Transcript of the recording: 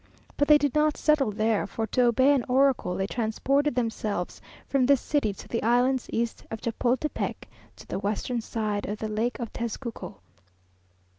But they did not settle there, for to obey an oracle they transported themselves from this city to the islands east of Chapultepec to the western side of the lake of Tezcuco.